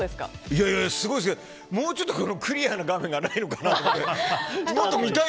いやいや、すごいですけどもうちょっとクリアな額がないのかなって。